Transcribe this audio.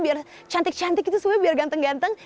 biar cantik cantik gitu supaya biar ganteng ganteng